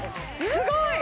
すごい！